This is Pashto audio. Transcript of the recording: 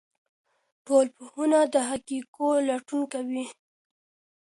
ټولنپوهنه د حقایقو لټون کوي.